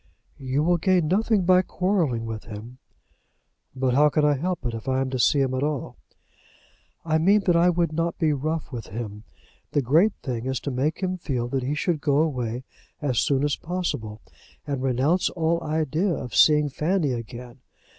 "You will gain nothing by quarrelling with him." "But how can I help it, if I am to see him at all?" "I mean that I would not be rough with him. The great thing is to make him feel that he should go away as soon as possible, and renounce all idea of seeing Fanny again.